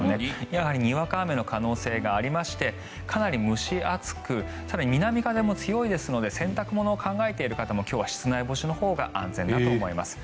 やはりにわか雨の可能性がありましてかなり蒸し暑く南風も強いですので洗濯物を考えている方も今日は室内干しのほうが安全だと思います。